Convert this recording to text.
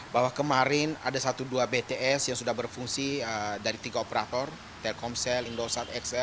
bahwa kemarin ada satu dua bts yang sudah berfungsi dari tiga operator telkomsel indosat x